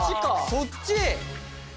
そっち？